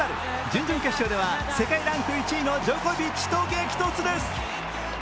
準々決勝では世界ランク１位のジョコビッチと激突です。